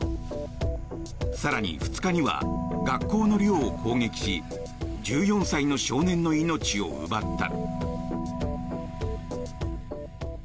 更に２日には学校の寮を攻撃し１４歳の少年の命を奪った。